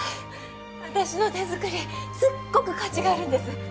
私の手作りすっごく価値があるんです